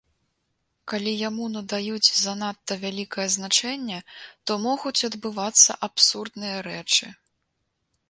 Калі яму надаюць занадта вялікае значэнне, то могуць адбывацца абсурдныя рэчы.